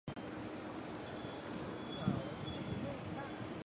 赖恩镇区为美国堪萨斯州索姆奈县辖下的镇区。